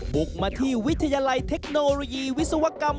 บุกมาที่วิทยาลัยเทคโนโลยีวิศวกรรม